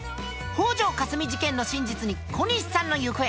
北條かすみ事件の真実に小西さんの行方。